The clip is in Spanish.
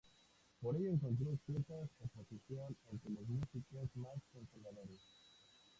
Por ello encontró cierta oposición entre los músicos más conservadores.